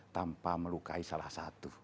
tanpa melukai salah satu